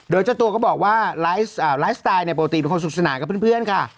โดยเจ้าตัวก็บอกว่าไลฟ์สไตล์ปกติเป็นคนสุขสนานกับเพื่อนค่ะ